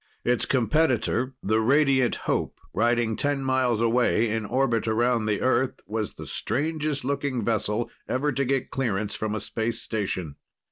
Its competitor, the Radiant Hope, riding ten miles away in orbit around the Earth, was the strangest looking vessel ever to get clearance from a space station.